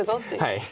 はい。